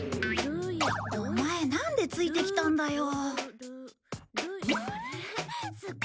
オマエなんでついてきたんだよ。